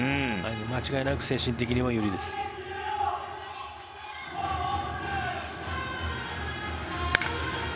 間違いなく精神的にも有利です。